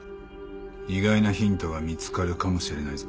意外なヒントが見つかるかもしれないぞ。